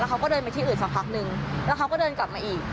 เขาก็เดินไปที่อื่นสักพักนึงแล้วเขาก็เดินกลับมาอีก